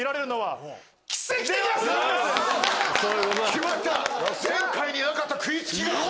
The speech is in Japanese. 決まった！